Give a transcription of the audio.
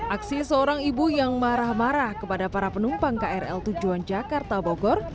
aksi seorang ibu yang marah marah kepada para penumpang krl tujuan jakarta bogor